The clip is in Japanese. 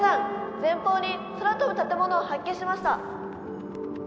前方に空飛ぶ建物を発見しました！」。